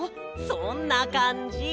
そんなかんじ！